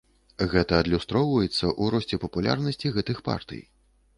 Гэта адлюстроўваецца ў росце папулярнасці гэтых партый.